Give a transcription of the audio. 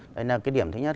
đây là cái điểm thứ nhất